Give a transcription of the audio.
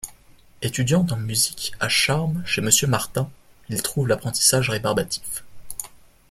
Étudiant en musique à Charmes chez monsieur Martin, il trouve l'apprentissage rébarbatif.